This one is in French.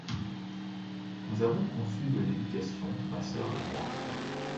Nous avons reçu de l’éducation, ma sœur et moi.